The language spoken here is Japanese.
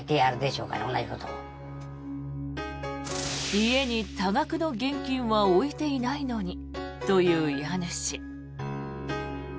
家に多額の現金は置いていないのにという家主。